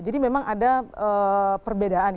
jadi memang ada perbedaan